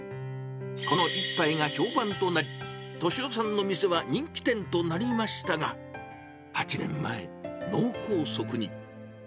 この一杯が評判となり、利夫さんの店は人気店となりましたが、８年前、脳梗塞に。